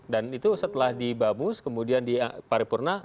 dan itu setelah di bamus kemudian di paripurna